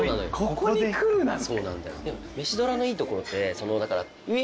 ここに来るなんて！